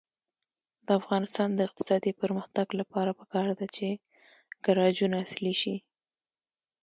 د افغانستان د اقتصادي پرمختګ لپاره پکار ده چې ګراجونه عصري شي.